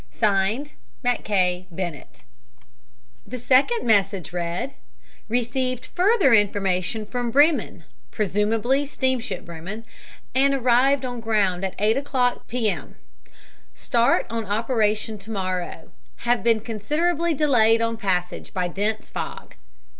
(Signed) "MACKAY BENNETT." The second message read: "Received further information from Bremen (presumably steamship Bremen) and arrived on ground at 8 o'clock P. M. Start on operation to morrow. Have been considerably delayed on passage by dense fog.